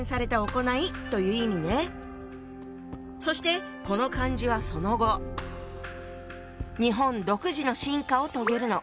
そしてこの漢字はその後日本独自の進化を遂げるの。